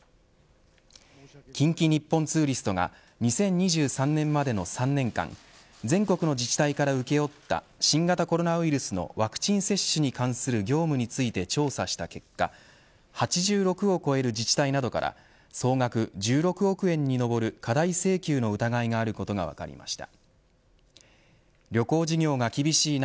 近畿日本ツーリストは２０２３年までの３年間全国の自治体から請負った新型コロナウイルスのワクチン接種に関する業務について調査した結果８６を超える自治体などから総額１６億円に上る過大請求の疑いがあることが分かりました。